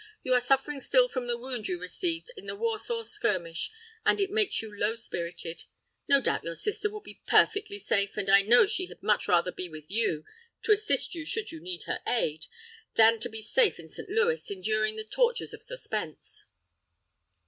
You are suffering still from the wound you received in the Warsaw skirmish, and it makes you low spirited. No doubt your sister will be perfectly safe, and I know she had much rather be with you, to assist you should you need her aid, than to be safe in St. Louis, enduring the tortures of suspense."